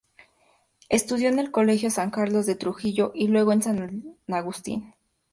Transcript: Estudió en el colegio "San Carlos" de Trujillo y luego en el San Agustín.